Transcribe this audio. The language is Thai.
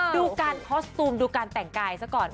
ดูการคอสตูมดูการแต่งกายซะก่อน